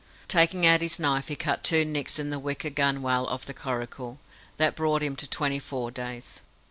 Taking out his knife, he cut two nicks in the wicker gunwale of the coracle. That brought him to twenty four days.